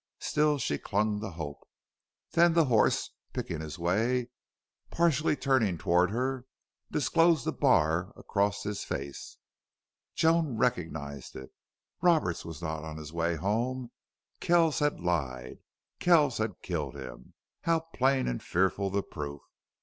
Still she clung to hope. Then the horse, picking his way, partially turning toward her, disclosed the bar across his face. Joan recognized it. Roberts was not on his way home. Kells had lied. Kells had killed him. How plain and fearful the proof!